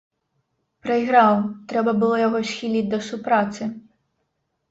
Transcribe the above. Прайграў, трэба было яго схіліць да супрацы.